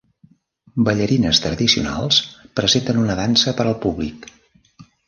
Ballarines tradicionals, presenten una dansa per al públic.